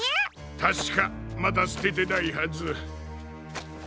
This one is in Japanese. たしかまだすててないはず。